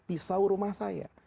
pisau rumah saya